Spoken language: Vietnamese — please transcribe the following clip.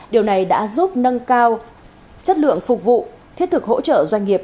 điều này đã giúp nâng cao chất lượng phục vụ thiết thực hỗ trợ doanh nghiệp